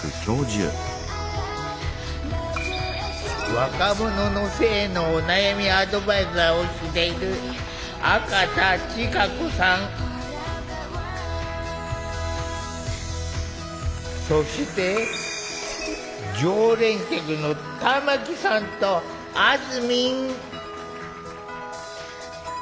若者の性のお悩みアドバイザーをしているそして常連客の玉木さんとあずみん。